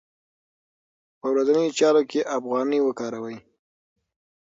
په ورځنیو چارو کې افغانۍ وکاروئ.